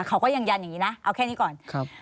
เขาก็ยังยันอย่างนี้นะเอาแค่นี้ก่อน